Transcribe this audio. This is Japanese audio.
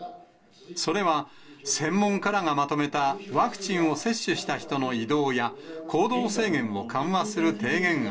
それは、専門家らがまとめたワクチンを接種した人の移動や、行動制限を緩和する提言案。